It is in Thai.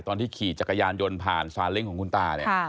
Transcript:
ขี่จักรยานยนต์ผ่านซาเล้งของคุณตาเนี่ย